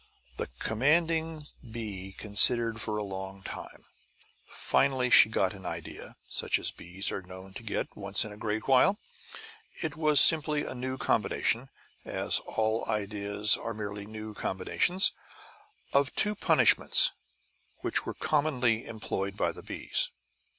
The commanding bee considered for a long time. Finally she got an idea, such as bees are known to get once in a great while. It was simply a new combination as all ideas are merely new combinations of two punishments which were commonly employed by the bees.